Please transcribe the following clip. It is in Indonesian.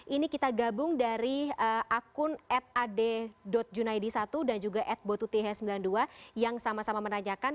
ini kita gabung dari akun ad junaidi satu dan juga at botutih sembilan puluh dua yang sama sama menanyakan